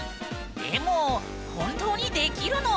でも本当にできるの？